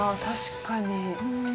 確かに。